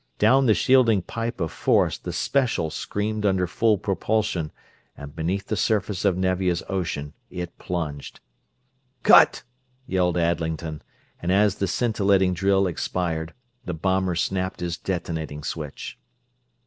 Down the shielding pipe of force the "Special" screamed under full propulsion, and beneath the surface of Nevia's ocean it plunged. "Cut!" yelled Adlington, and as the scintillating drill expired, the bomber snapped his detonating switch.